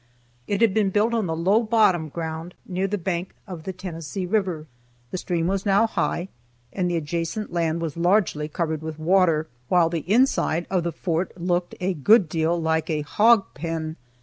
It had been built on the low bottom ground near the bank of the Tennessee river, the stream was now high, and the adjacent land was largely covered with water, while the inside of the fort looked a good deal like a hog pen.